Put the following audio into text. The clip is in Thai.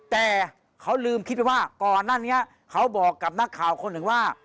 แต่เขาลืมคิดไปว่าก่อนหน้านี้เขาบอกกับนักข่าวคนหนึ่งว่า